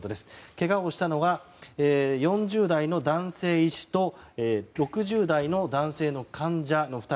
けがをしたのが４０代の男性医師と６０代の男性の患者の２人。